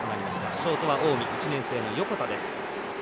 ショートは近江、１年生の横田。